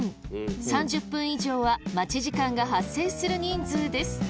３０分以上は待ち時間が発生する人数です。